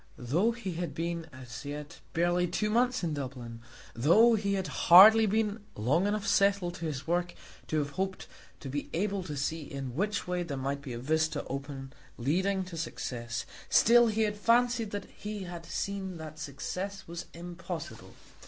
Though he had been as yet barely two months in Dublin, though he had hardly been long enough settled to his work to have hoped to be able to see in which way there might be a vista open leading to success, still he had fancied that he had seen that success was impossible.